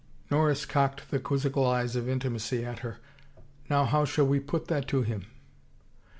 Norris cocked the quizzical eyes of intimacy at her. " Now how shall we put that to him